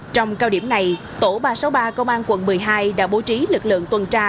trong cao điểm này tổ ba trăm sáu mươi ba công an quận một mươi hai đã bố trí lực lượng tuần tra